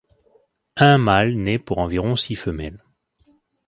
Un mâle naît pour environ six femelles.